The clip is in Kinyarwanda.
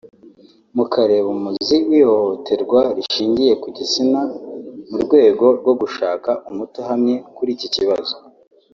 mukareba umuzi w’ihohoterwa rishingiye ku gitsina mu rwego rwo gushaka umuti uhamye kuri iki kibazo”